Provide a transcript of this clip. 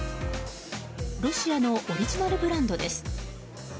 ロシアのオリジナルブランドです。